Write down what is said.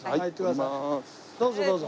どうぞどうぞ。